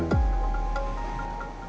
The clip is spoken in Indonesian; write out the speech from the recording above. mereka menuduh elsa kalau